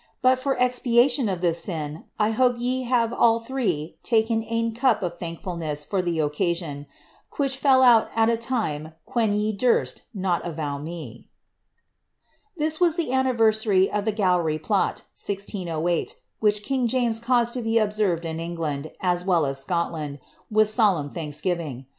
* But for expiation of this sin, I hope ye have eUl tkrte taken cop of thankfulness ibr the occasion, pthidk fell out at a time qyhen ye durst not avow me.^' This was the annivereaiy of the Gowry plot, 1608, which king James caused to be observed in England, as well as Scotland, with solemn ihanksgiriDg.